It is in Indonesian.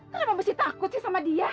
kenapa mesti takut sih sama dia